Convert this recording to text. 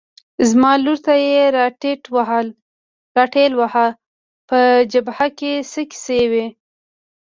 زما لور ته یې را ټېل واهه، په جبهه کې څه کیسې وې؟